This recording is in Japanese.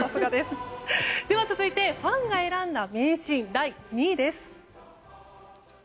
では、続いてファンが選んだ名シーン第２位です。